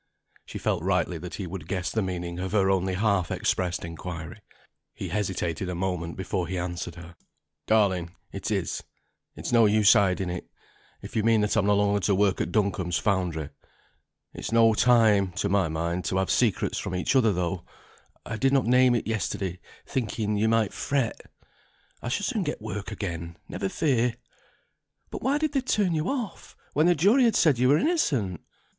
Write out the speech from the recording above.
She felt rightly that he would guess the meaning of her only half expressed inquiry. He hesitated a moment before he answered her. "Darling, it is; it's no use hiding it if you mean that I'm no longer to work at Duncombe's foundry. It's no time (to my mind) to have secrets from each other, though I did not name it yesterday, thinking you might fret. I shall soon get work again, never fear." "But why did they turn you off, when the jury had said you were innocent?"